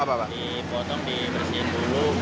dipotong dibersihin dulu